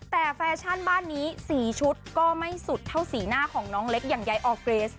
แต่แฟชั่นบ้านนี้สีชุดก็ไม่สุดเท่าสีหน้าของน้องเล็กอย่างใยออร์เกรส